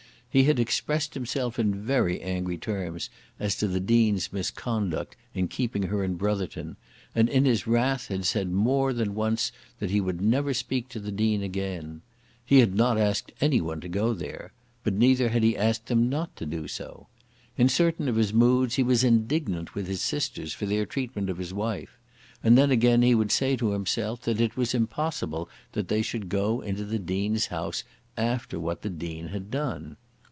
He had expressed himself in very angry terms as to the Dean's misconduct in keeping her in Brotherton, and in his wrath had said more than once that he would never speak to the Dean again. He had not asked any one to go there; but neither had he asked them not to do so. In certain of his moods he was indignant with his sisters for their treatment of his wife; and then again he would say to himself that it was impossible that they should go into the Dean's house after what the Dean had done.